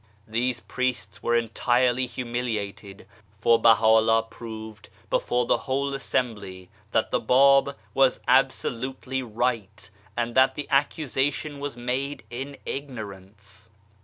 These priests were entirely humiliated, for Baha'u'llah proved before the whole assembly that the Bab was absolutely right, and that the accusation was made in ignorance.